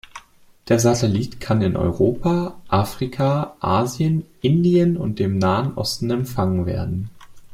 Der Satellit kann in Europa, Afrika, Asien, Indien und dem Nahen Osten empfangen werden.